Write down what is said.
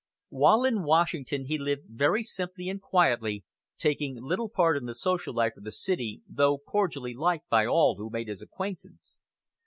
While in Washington he lived very simply and quietly, taking little part in the social life of the city, though cordially liked by all who made his acquaintance.